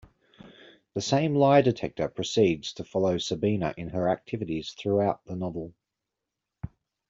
This same lie detector proceeds to follow Sabina in her activities throughout the novel.